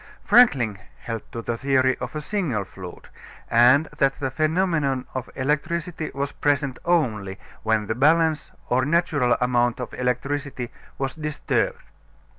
Franklin held to the theory of a single fluid, and that the phenomenon of electricity was present only when the balance or natural amount of electricity was disturbed.